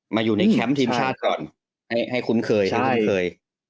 มาอยู่ในแคมป์ทีมชาติก่อนให้คุ้นเคยที่คุ้นเคย